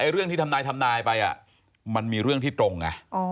เรื่องที่ทำนายไปมันมีเรื่องที่ตรง